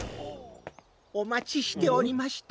おまちしておりました。